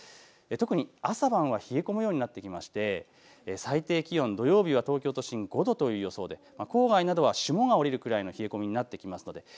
特に朝晩は冷え込むようになってきまして最低気温、土曜日は東京都心５度という予想で郊外などは霜が降りるくらいの冷え込みになってきます。